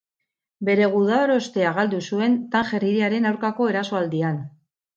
Bere gudarostea galdu zuen Tanger hiriaren aurkako erasoaldian.